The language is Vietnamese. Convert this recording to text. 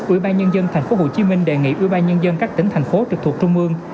ubnd tp hcm đề nghị ubnd các tỉnh thành phố trực thuộc trung ương